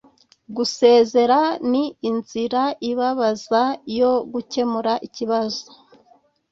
gusezera ni inzira ibabaza yo gukemura ikibazo